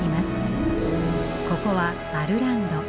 ここはアルランド。